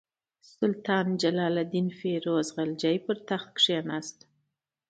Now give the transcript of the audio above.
سلطان جلال الدین فیروز خلجي پر تخت کښېناست.